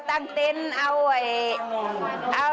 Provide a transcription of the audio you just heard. ตั้งเต้นเอาไว้